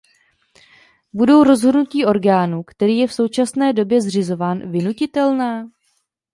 Budou rozhodnutí orgánu, který je v současné době zřizován, vynutitelná?